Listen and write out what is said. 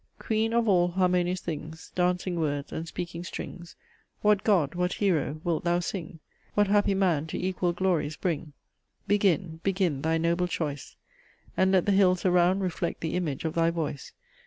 "Queen of all harmonious things, Dancing words and speaking strings, What god, what hero, wilt thou sing? What happy man to equal glories bring? Begin, begin thy noble choice, And let the hills around reflect the image of thy voice.